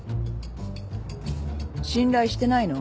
信頼してないの？